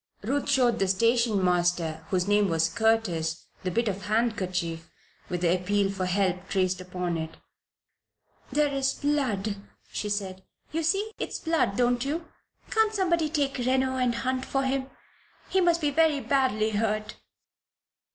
Ruth showed the station master, whose name was Curtis, the bit of handkerchief with the appeal for help traced upon it. "That is blood," she said. "You see it's blood, don't you? Can't somebody take Reno and hunt for him? He must be very badly hurt."